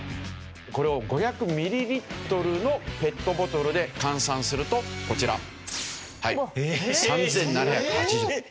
これを５００ミリリットルのペットボトルで換算するとこちらはい。